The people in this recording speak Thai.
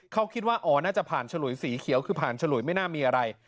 เขาคิดว่าอ๋อน่าจะผ่านฉลุยสีเขียวคือผ่านฉลุยไม่น่ามีอะไร